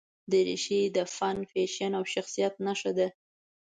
دریشي د فن، فیشن او شخصیت نښه ده.